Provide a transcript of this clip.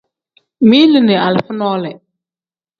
Mili ni alifa nole.